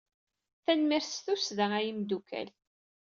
Tanemmirt s tussda a imeddukal!